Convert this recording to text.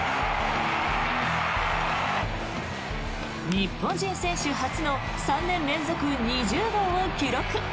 日本人選手初の３年連続２０号を記録。